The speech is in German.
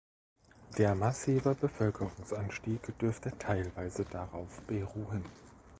Der massive Bevölkerungsanstieg dürfte teilweise darauf beruhen.